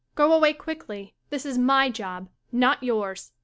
Go away quickly. This is my job, not yours.